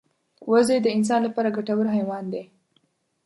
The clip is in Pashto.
وزې د انسان لپاره ګټور حیوان دی